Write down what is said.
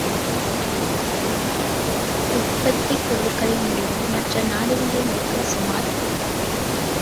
உற்பத்திப் பொருளின் முடிவும் மற்ற நாடுகளை நோக்க சுமார்!